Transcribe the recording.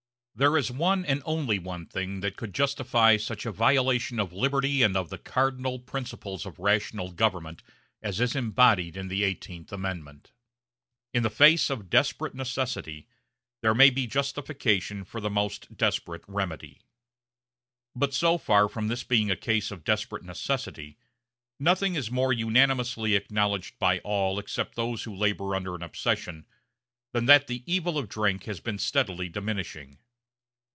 There is one and only one thing that could justify such a violation of liberty and of the cardinal principles of rational government as is embodied in the Eighteenth Amendment. In the face of desperate necessity, there may be justification for the most desperate remedy. But so far from this being a case of desperate necessity, nothing is more unanimously acknowledged by all except those who labor under an obsession, than that the evil of drink has been steadily diminishing.